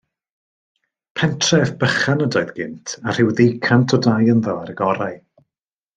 Pentref bychan ydoedd gynt, a rhyw ddeucant o dai ynddo ar y gorau.